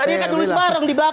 tadi kan tulis bareng di belakang